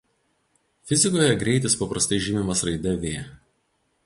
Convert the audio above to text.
Fizikoje greitis paprastai žymimas raide "v".